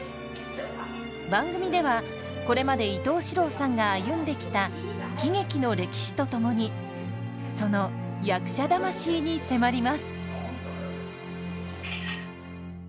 番組ではこれまで伊東四朗さんが歩んできた喜劇の歴史とともにその役者魂に迫ります。